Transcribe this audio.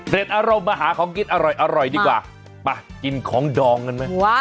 อารมณ์มาหาของกินอร่อยดีกว่าไปกินของดองกันไหม